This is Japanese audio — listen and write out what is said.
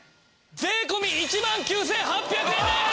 税込１万９８００円です！